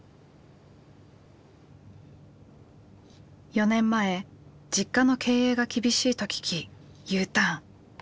４年前実家の経営が厳しいと聞きＵターン。